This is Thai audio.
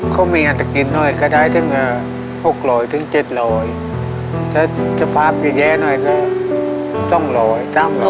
ก็มีอาจจะกินหน่อย